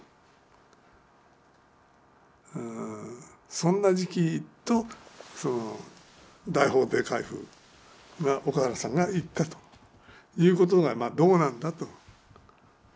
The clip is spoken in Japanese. そんな時期と大法廷回付が岡原さんが言ったということがまあどうなんだと。